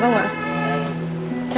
không ngại gì cả